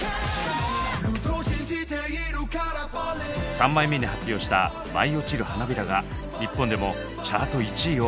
３枚目に発表した「舞い落ちる花びら」が日本でもチャート１位を獲得します。